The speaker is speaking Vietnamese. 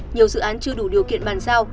nhiều dự án chưa đủ điều kiện bàn giao